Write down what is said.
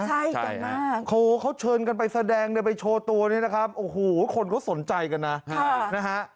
ใช่ใช่มากโอ้เขาเชิญกันไปแสดงไปโชว์ตัวนี้นะครับโอ้โหคนเขาสนใจกันนะนะฮะ